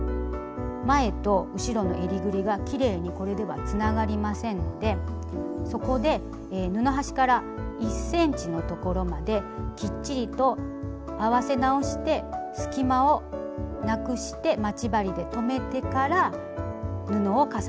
前と後ろのえりぐりがきれいにこれではつながりませんのでそこで布端から１ｃｍのところまできっちりと合わせ直して隙間をなくして待ち針で留めてから布を重ね合わせてください。